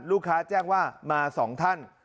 ลูกค้าแจ้งว่ามาสองท่าน